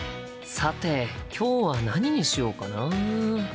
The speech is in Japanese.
さて今日は何にしようかな？